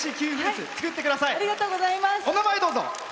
お名前どうぞ。